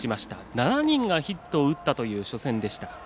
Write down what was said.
７人がヒットを打ったという初戦でした。